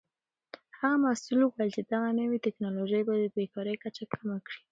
هغه مسؤل وویل چې دغه نوې تکنالوژي به د بیکارۍ کچه کمه کړي.